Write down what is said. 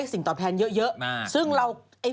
สวัสดีค่าข้าวใส่ไข่